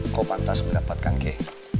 kau pantas mendapatkan kei